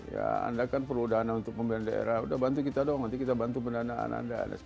ya anda kan perlu dana untuk pembelian daerah udah bantu kita dong nanti kita bantu pendanaan anda